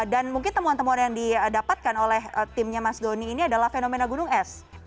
dan mungkin temuan temuan yang didapatkan oleh timnya mas doni ini adalah fenomena gunung es